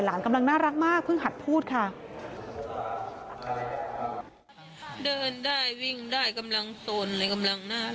หลานกำลังน่ารักมากเพิ่งหัดพูดค่ะ